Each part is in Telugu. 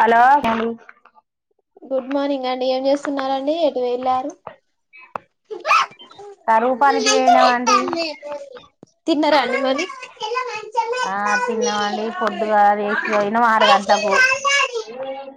హలో గుడ్ మార్నింగ్ అండి ఏం చేస్తునరండి? ఎటు వెళ్ళారు? కరువు పనికి పోయినమండి తిన్నారా [unintelligible] ఆ తిన్నామండి పొద్దుగల లేసిపోయినం ఆరు గంట్లకు ఎవరెవరు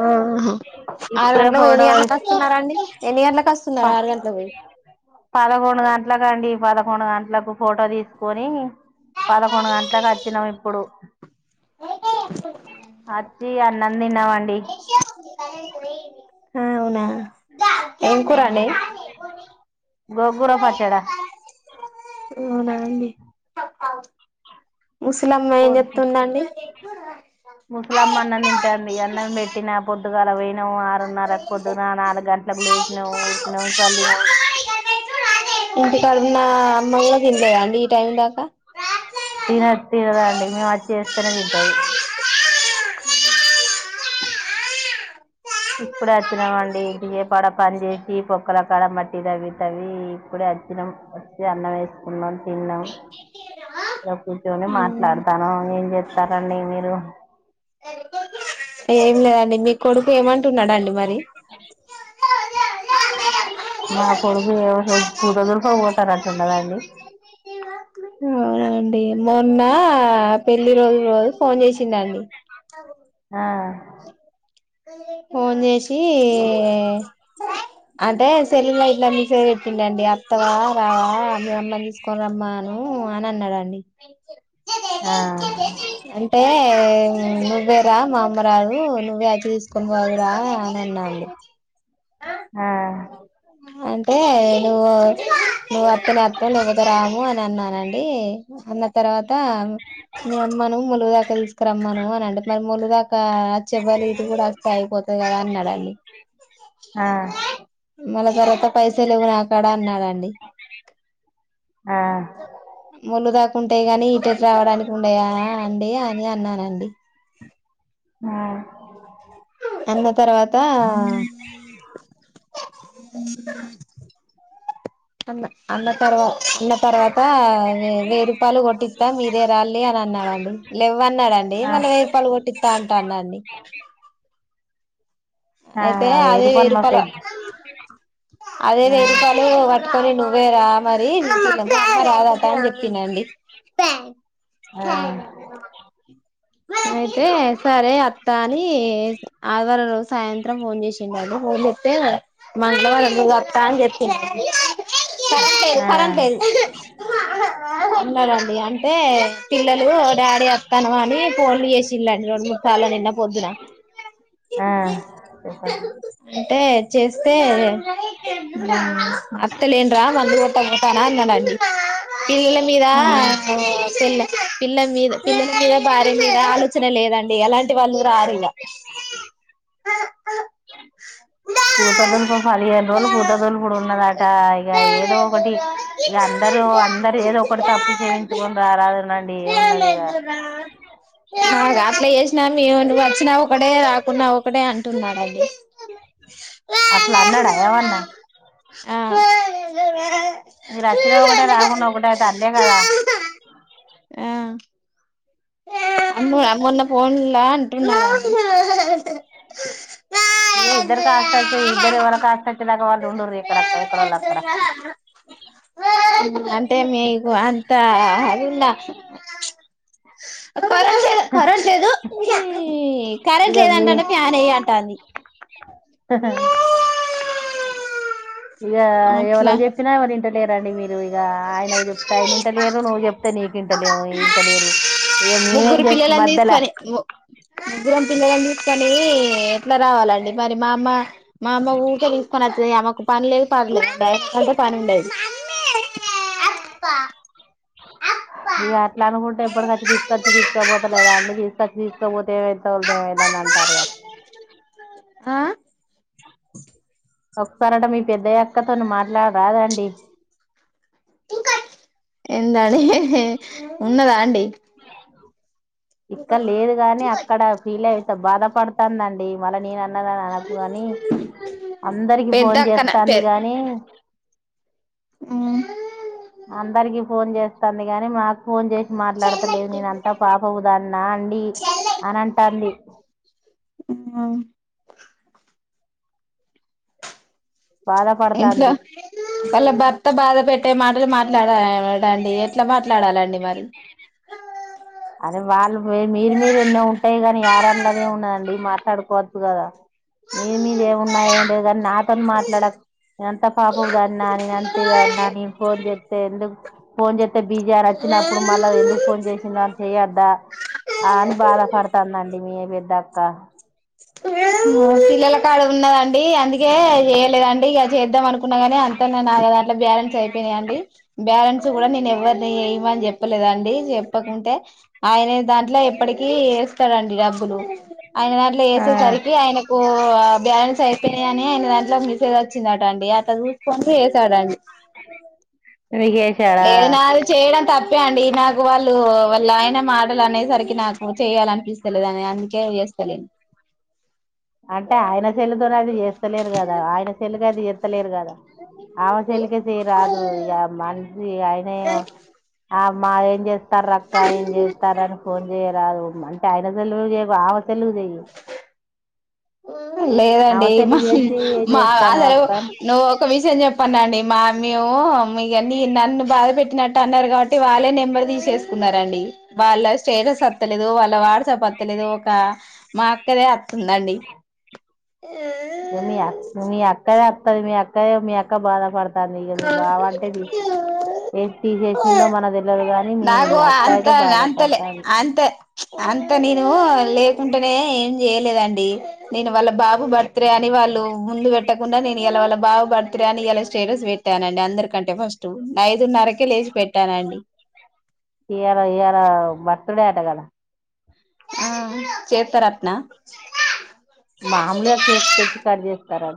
ఆ ఆరు గంటలకు పోయి ఫోటో ఎన్ని గంటలకస్తునరండి? ఎన్ని ప గంటలకస్తున్నరు ఆరు గంట్లకు పోయి? పదకొండు గంట్లకండి పదకొండు గంట్లకు ఫోటో దీసుకొని ని పదకొండు గంట్లకచ్చినం ఇప్పుడు అచ్చి అన్ అవునా ఏం ఆ కూరండి? గోంగూర పచ్చడ అవునా అండి ముసలమ్మ ఏం చెత్తుందండి? ముసలమ్మన్నం తింటాంది అన్నం పెట్టిన పొద్దుగాల బోయిన్ నం ఆరున్నరక్ పొద్దున నాలుగు గంట్లకు లేచినమ్, ఊడ్చినం చళ్లినం ఇంటికాడున్న అమ్మగూడ దిన్లేదా అండి ఇప్ తినద్ తినదండి మేమచ్చి ఏస్తనే తింటది ఇప్పుడే వచ్చినమండి ఇంటికి, పడ పని చేసి పొక్కల కాడ మట్టి తవ్వి తవ్వి ఇప్పుడే అచ్చినం వచ్చి అన్నమేసుకున్నమ్ తిన్నం ఇగ కూర్చొని ఉమ్ మాట్లాడతానం ఎంజెత్ త్తారండి మీరు? ఏం లేదండి మీ కొడుకు ఏమంటున్నడండి మరి? [unintelligible] మా కొడుకు ఎంజెస్ [inaudible] పోతనంటున్నరండి అవునా అండి మొన్న పెళ్లి రోజు రోజు ఫోన్ చేసిండండి ఆ అ ఫోన్ చేసి అంటే సెల్యుల ఇట్లా ఫోన్ ఎటిందండి అత్తవా రావా మీ అమ్మని తీసుకుని రమ్మా హ్మ్మ్ అన్నాడండి ఆ అంటే నువ్వేరా మా అమ కాదు నువే ఆచి తీసుకొని పోదుర అని అన్నానండి ఆ అంటే.. నువ్వు నువ్వు అత్తనే అత్తం లేకపోతే రాము అని అన్నానండి అన్న తర్వాత వాత మీ అమ్మను ములుగు ఆకు తీసుకురమ్మను అని అంటే మరి ములుగాకు ఒక ఆ [inaudible] మల్లా తర్వాత పైసల్ లేవు నాకడ అన్నాడండి... ఆ మునుగకూ అట్టే గాని హటర్ రావడానికి ఉండయా అండి అని అన్నానండి ఆ అన్న తర్వాత అ అన్న తర్వత ఉన్న తర్వాత వెయ్యి రూపాయలు కొట్టిస్తా మీరే రాలి అని అన్నాడండి లేవ అన్నాడండి డి ఆ మళ్ళీ వేయిరుపయిలు కొట్టిస్తా అంటానండి ఆ అయితే వేయి అదే వెయ్యి రూపాయలు మస్తు రూపాయల అదే వేయిరుపాలు పట్టుకొని నువ్వే రా మరి రాదట అని చెప్పినండి ప ఆ అతే సరే అత్త అని ఆదివారం రోజు సాయంత్రం ఫోన్ చేసిండు అండి ఫోన్ చెతేమా ఇంట్లో మంగలవళంలో గతాం చెప్ప [inaudible] పర పే ఆ పర పేరు ఉన్నారండి అంటే పిల్లలు డాడీ వత్తనవ అని ఫోన్లు చేసిలండి రెండు మూడు సార్లు నిన్న పొద్దున ఆ అంటే చేస్తే అట్టలేను రా మందు కూడాతానా డి పిల్లల మీద పిల్ల మీద పిల్లల మీద బ మీ ఆలోచన లేదండి ఎలాంటి వాళ్ళు రారు ఇంగా కూతదులుపు పదిహేను రోజులు కూతదులుపుడు ఉన్నదట ఇక ఏదో ఒకటి ఇక అందరు అందరు ఏదో ఒకటి తప్పులు చేవించుకొని రాలదునండి ఏమున్నది ఇక అ అట్లా చేసినా మే నువ్వు వచ్చినా ఒకడే రాకున్నా ఒకడే అంటున్నాడుండి అట్ల అన్నాడా ఎవన్నా ఆ మీరు అచ్చిన ఒకటే రాకుండా ఒకటే అట్లీ కదా ఆ మొన్న పోన్లా అంటున్నాడు ఇయ ఇద్దరు కాస్త వచ్చే ఇద్దరు వాళ్ళ కాస్త వచ్చేలేక వాళ్ళు ఉండరు ఎక్కడక్క ఎక్కడ వాళ్ళు అక్కడ అంటే మీకు అంత ఉందా కరెంట్ లేదు కరెంట్ లేదు కరెంట్ ఇక మీ లేదంటంటే ఫ్యాన్ ఎయ్యి అంటాంది హ ఇక అట్లా ఎవళకి చెప్పినా ఎవరు ఇంట లేరండి మీరు ఇ ఆయన చెప్తే ఆయన ఇంట లేరు నువ్వు చెప్తే నీకు ఇంట లేవు ఇ ఇ లేరు తేలేదు ఇగ ముగ్గురు పిల్లలని తీసుకొని పిల్లలని తీసుకొని ఎట్లా రావాలండి మరి మా అమ్మ మా అమ్మ ఊకె తీసుకొని అచ్చ అమెకు పని లే పాడలే [inaudible] కంటే పనుండది అ ఇగ అట్లా అనుకుంటే ఎప్పడుకిచ్చి తీసుకచ్చి తీసుకోపోతలేదా అండి తీసుకొచ్చి తీసుకోపోతే ఏమైతేలుదు ఏమైతద అర్రే ఆ ఒకసారి అంట మీ పెద్దయ్యక్కతోను మాట్లాడరాదండి ఎందని ఉన్నదా అండి ఇక్కడ లేదు గాని అక్కడ ఫీల్ అయితే బాధపడుతందండి మళ్ళ నేన అన్ననకు కాని అందరికి పెద్ద ఫోన్ అక్కన చేస్తాంది కానీ ఉమ్ అందరికి ఫోన్ చేస్తాంది గానీ మాకు ఫోన్ చేసి మాట్లాడుతలేదు నేన అంతా పాపపు దాన్నా అండి అనంటాండి ఇంగ ఇంట్లో బాధపడతాంది వాళ్ళ భర్త బద పెట్టే మాటలు మాట్లాడడండి ఎట్లా మాట్లాడాలండి మరి అరె వాళ్ళు మీరు మీరు ఎన్నో ఉంటాయి గని యారాండట్లదే మున్నదండి మాట్లాడుకోవచ్చు కదా మీ మీద ఏమున్నా ఏం లేదు కానీ నాతో మాట్లాడక ని అంత పాపపు దాన్నా నేను అంతది అన్నా నేన్ ఫోన్ జేత్తే ఎందుకు ఫోన్ జేత్తే బీజి అని అచ్చినప్పుడు మళ్ళా ఎందుకు ఫోన్ చేసిందో చేయొద్దా ఆ అని బాధపడుతదండి మీ పెద్దక్క పిల్లల కాడ ఉన్నద ండి అందుకే చేయలేదండి ఇగ చేద్దాం అనుకున్నా గాని అంతాల్నే నాల దాంట్లా బ్యాలెన్స్ అయిపోయినాయియండి బ్యాలెన్స్ కూడా నేను ఎవ్వరిని ఎయ్యిమని చెప్పలేదండి చెప్పకుంటే ఆయిన దాంట్ల ఇప్పడికి వేస్తాడండి డబ్బులు ఆయన దాంట్ల ఆ ఎసేసరికి ఆయన ఓ బ్యాలెన్స్ అయిపోయినయని అయిన దాంట్లోకి మెస్సేజ్ అచ్చిందట అండి అట్ల చూసుకొని వేసాడండి నీకు చేశాడా లేదు నాది చేయడం తప్పే అండి నాకు వాళ్ళు వాళ్ళు ఆయన మాటలు అనేసరికి నాకు చెయాల అనిపిస్తలేదాని అందుకే చేస్తలేను అంటే ఆయన సేల్లితోనే అది చేస్తలేరు కదా ఆయన సెల్ కైతే చేత్తలేరు కదా ఆమె సెల్లుకె చేయ్యరాదు ఇగ మనిషి ఆయనేం ఆ మా ఏం చేస్తారు రక్క ఏం చేస్తార అని ఫోన్ జెయ్య రాదు అంటే అయన సెల్లు జేయకు ఆమె సెల్లు కు చేయ్యి లేదండి మా చేసి ఏం మా చేస్తాను అసలు అక్క నువ్ ఒక విషయం చెప్పనండి మా మీ మొ మి ఇగ నన్ను బాధ పెట్టినట్టు అన్నారు కాబట్టి వాళ్ళే నెంబర్ తీసేసుకున్నారండి వాళ్ళ స్టేటస్ అత్తలేదు వాళ్ళ వాడసాప్ వత్తలేదు ఒక మా అక్కదే అత్తుదండి ఇక మీ అక్క మీ అక్కదే మీ అక్కది మీ అక్క బాధ పడుతంది ఇగ మీ బావ అంటేది ఎ తీసేస్ సిండో మనక్ నాగు అంత అంతలే బాధపడుతుంది అంత అంత నీను లేకుంటనేం చేయలేదండి నేను వాళ్ళ బాబు బర్త్డే అని వాళ్ళు ముందు పెట్టకుండా నేను ఇలా వాళ్ళ బాబు బర్త్డే గా ని ఇయల స్టేటస్ పెట్టానండి అందరికంటే ఫస్ట్ఐదున్నరకే లేచి పెట్టానండి ఇయ్యల ఇయ్యల బర్త్ డే ఆట కదా ఆ చేత్తరాట్న మామూలుగా కేక్ తెచ్చి కట్ చేస్తారా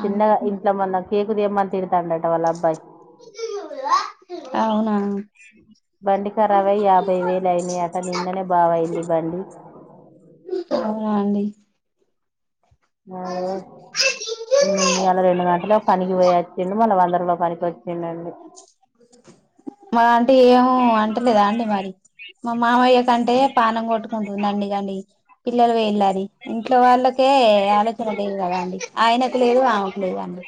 చిన్నగా ఇంట్లో మన్న కేకు దెమ్మని తిడుతాండట వాళ్ళ అబ్బాయి అవునా బండి కరావై యాభై వేలయినా అట నిన్ననే బావయింది బండి అవునాండి అదే ఉమ్ ఇయ్యల రెండు గంటలు పనికిగిపోయచ్చిండు మళ్ళ వంద పనికి వచ్చిందండి మల ఆంటీ ఏమ అంటలేదా అండి మరి మా మామయ్య కంటే పానం కొట్టుకుంటుంద అండి పిల్లలు వేళ్ళి ఇంట్లో వాళ్ళకే ఆలోచన తెదు కదా అండి ఆయనకు లేదు ఆమెకు లేదుండి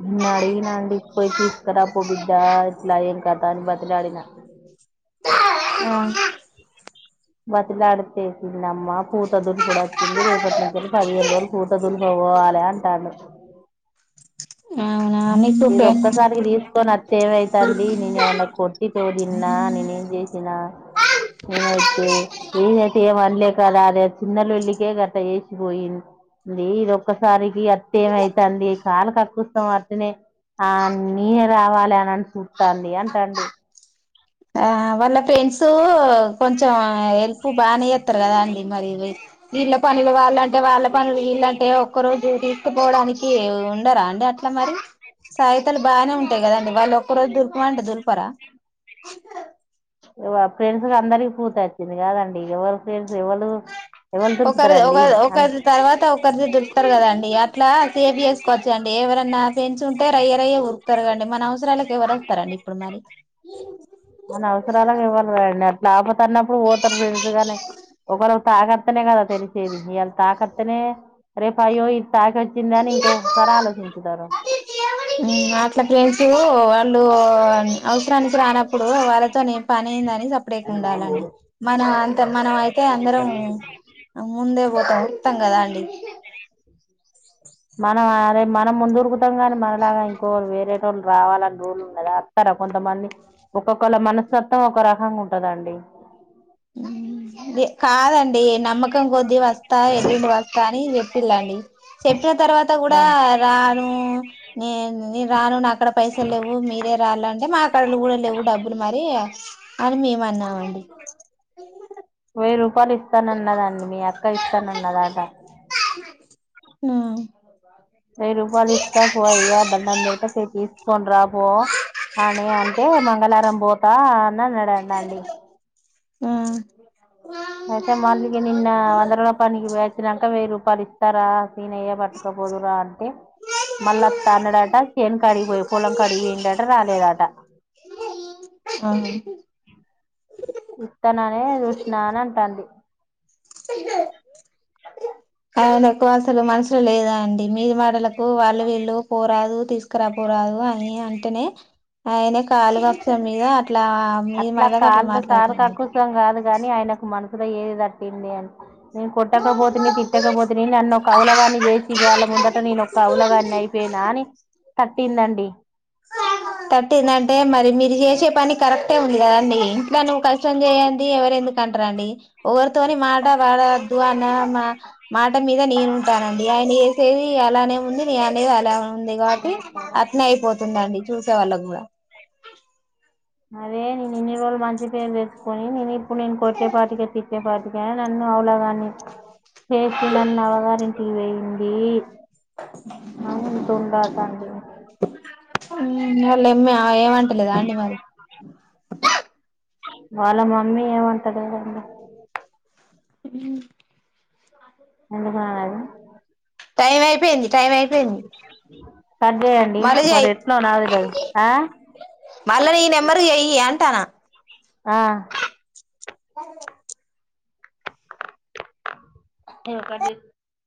నిన్న అడిగినా అండి పోయి తీసుకరాపో బిడ్డ ఇట్లా ఏం కా అనీ బ్రతిమీలాడిన ఆ బ్రతిలాడితేసిందమ్మ పూతదులు కూడా వచ్చింది రేపటి నుంచి పదిహేను వేులు పూతదులు పో పోవాలే అంటండు అవునా ఇది నీకు ఒక్కసారికి తీసుకోని అత్తే ఏమైతంది నేను ఏమన్నా కొట్టి తొలిన్న నేనేం చేసి న నేనైతే నేనైతే ఏం అనలే కదా అదే చిన్న లొల్లి కి కేకట్ట ఏేసి పోయింది అ ఇది ఒక్కసారికి అతి ఏమైతుంది కాలు కక్కుస్తాం అట్నే అన్నీ రావాలే అని అని చూతాంది అంటండు ఆ వాళ్ళ ఫ్రెండ్స్ కొంచం కొంచెం హెల్ప్ బాగానే చేస్తారు కదా అండి మరి వీళ్ళ పనులు వాళ్ళంటే వాళ్ళ పనులు వీళ్ళంటే ఒక్కరు రోజు పోవడానికి ఉండరా అండి అట్లా మరి సాహితలు బాగానే ఉంటాయి కదండి వాళ్ళు ఒక్కరోజు దులు పో అంటే దులుపర ఫ్రెండ్స్ క అందరికీ పూత వచ్చింది కదండి ఎవరి ఫ్రెండ్స్ ఎవరు ఎవరు ఒకరి ఒక దొరుకుతారండి ఒకరిది తర్వాత ఒకరిది ద దులుపుతారు కదండి అట్లా సేవ్ చేసుకోవచ్చ ండి ఎవరైనా ఫన్స్ ఉంటే రయ్య రయ్య ఉరుకుతారు కండి మన అవసరాలకి ఎవరొస్తారు అండి ఇప్పుడు మరి అని అవసరాలకి ఎవ్వరు రండి అట్లా ఆ పతి ఆపతన్నప్పుడు పోతారు ఫ్రెండ్స్ గాని ఒకరు తాగొత్తునే కదా అండి తెలిసేది మీ అంత ఆకచ్చ అనే రేపు అయ్యో ఇది తాక వచ్చింది అని ఇంకోసారి ఆలోచించుతారు అట్లా ఫ్రెండ్స్ వాళ్ళు అవసరానికి ఇప్పుడు వాళ్ళతోనే పనేందని ఉండాలండి మనం అంత మనం అయితే అందరం ముందే పోతాం ఉరుకుతాం కదా అండి [unintelligible] మనం అరే మనం ముందు ఉరుకుతాం కాని మనలాగా ఇంకో వేరే టోలు రావాలని రూల్ ఉన్నదా వోత్తర కొంతమంది ఒక్కొక్కళ్ళ మనస్తత్వం ఒక రకంగా ఉంటందండి [inaudible] కాదండి నమ్మకం కొద్దీ వస్తా ఎల్లుండి వస్తా అని చెప్పిళండి చెప్పిన తర్వాత ఆ కూడా రాను నే నేను రాను నా అక్కడ పైసలు లేవు మీరే రాలంటే మాకడ కూడా లేవు డబ్బులు మరి అని మేము అన్నామండి వెయ్యి రూపాయలు ఇస్తానన్నదండి మీ అక్క ఇస్తానన్నదాట ఆ వెయ్యి రూపాయలు ఇస్తా పో అయ్యాక దండం పెడతా తండ్రా పో అని అంటే మంగళారం పోతా అని అన్నాడాదంటా ఆ అయితే మళ్ళీగ నిన్న వంద పని కీ పోయి వచ్చినంక వెయ్యి రూపాయలు ఇస్తారా ఈనయ పట్టుకపోదురా అంటే మళ్ళా త అన్నడట చేను కడిగిపోయి పొలం కడిగిపోయిండట రాలేదట [inaudible] ఆ ఇత్తననే చూసినా అన్ అంటాంది. అవును ఎక్కువ అసల్ మనుసుల్ లేదా అండి మీది మా టలకు వాళ్ళు వీళ్ళు పోరాదు తీస్కరాపోరాదు అయి అంటేనే ఆయన అట్ల మాటలకు అట్లా కాల్లో సారు మాట్లాడతాండి తకుసం కాదు కాని ఆయనకు మ సుల ఏది తట్టింది అన్ నేన్ కొట్టకపోతిని, తిట్టకపోతిని నన్నొక అవులగాన్నీ చేసి వాళ్ళ ముందట నేనొక అవులగాన్ని అయిపో నాని తట్టిందండి. తట్టిందంటే మరి మీర్ జేసే పని కరెక్టే కదండి ఇంట్ల నువ్వు కష్టం చేయంది ఎవర్ ఎందుకు అంటరండి ఓవర్ తోన్యూ మాట వడద్దు అన్న మా మాట మీద నేనుంటానండి ఆయన చేసేది అలానే ఉంది నే అనేది అలా ఉంది కాబట్టి అత్నే అయిపోతుంది అది చూసేవాళ్ళకి కూడా అదే నేను ఇన్ని రోజు మంచి పేరు తెసుకొని నేను ఇప్పుడు నేను కొట్టేపాటిక తిట్టేపాటికా నన్ను హవులాగాని చేసినన్ని అవ్వగారి ఇంటికి పోయింది. అవున్ తుందట అండి వాళ్ళేమ్మీ ఏమంటలేదా అండి మరి వాళ్ళ మమ్మీ ఏమంటలేదండి మ్ ఎందుకు అనది టైం అయి పోయింది. టైమ్ అయిపోయింది కట్ చేయండి మళ్లీ మరి జెయి ఎట్లా నాది ఆ మళ్ళ ఈ నెంబర్కు చెయ్యి అంటాన్న ఆ ఏం కర్రీ